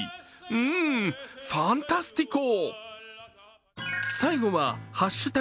うん、ファンタスティコ。